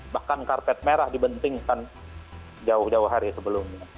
bahkan karpet merah dibentingkan jauh jauh hari sebelumnya